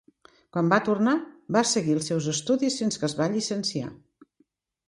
Quan va tornar, va seguir els seus estudis fins que es va llicenciar.